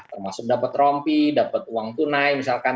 termasuk dapat rompi dapat uang tunai misalkan